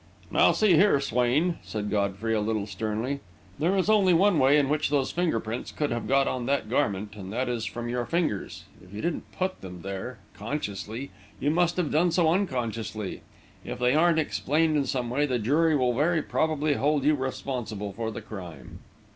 "Now, see here, Swain," said Godfrey, a little sternly, "there is only one way in which those finger prints could have got on that garment, and that is from your fingers. If you didn't put them there consciously, you must have done so unconsciously. If they aren't explained in some way, the jury will very probably hold you responsible for the crime."